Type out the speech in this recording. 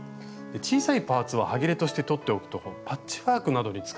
小さいパーツははぎれとしてとっておくとパッチワークなどに使えますよね。